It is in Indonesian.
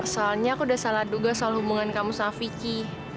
soalnya aku udah salah duga soal hubungan kamu sama vicky